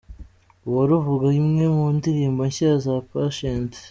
Uwaruvuga, imwe mu ndirimbo nshya za Patient.